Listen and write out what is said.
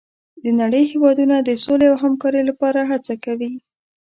د نړۍ هېوادونه د سولې او همکارۍ لپاره هڅه کوي.